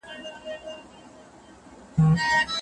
آیا ریاضي تر تاریخ ډېر تمرین غواړي؟